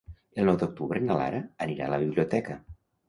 El nou d'octubre na Lara anirà a la biblioteca.